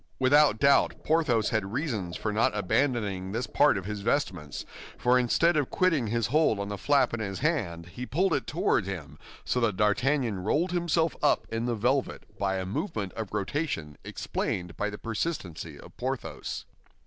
Without doubt, Porthos had reasons for not abandoning this part of his vestments, for instead of quitting his hold on the flap in his hand, he pulled it toward him, so that D'Artagnan rolled himself up in the velvet by a movement of rotation explained by the persistency of Porthos.